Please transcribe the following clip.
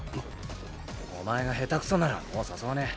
お前が下手くそならもう誘わねえ。